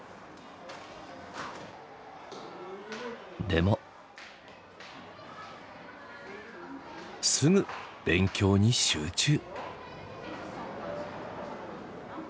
でもすぐ勉強に集中。